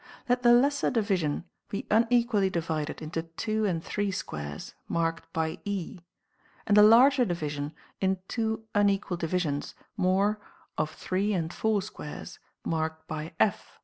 Let the Α Ε Β ... lesser division be unequally divided into two and three squares, marked by Ε ; and the larger division in two un F q ! ι ...& equal divisions more of three and four squares, marked by F.